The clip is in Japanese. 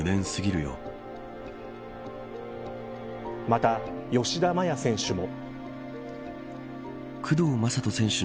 また、吉田麻也選手も。